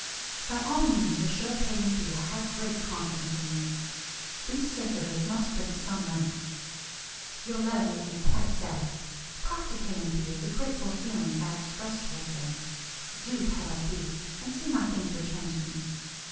By all means assure K. & B. I have great confidence in them. These circulars must bring some money. Your letter made me quite sad. Talk to K. & B. of the grateful feelings I express towards them. Do pet up B., and see my things returned to me.